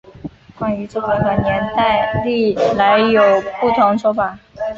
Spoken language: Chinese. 关于作者和年代历来有不同说法。